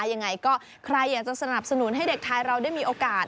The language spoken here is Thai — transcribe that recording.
ยังไงก็ใครอยากจะสนับสนุนให้เด็กไทยเราได้มีโอกาส